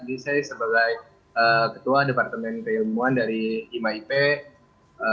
jadi saya sebagai ketua departemen keilmuan dari ima ipe